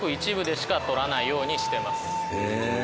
へえ。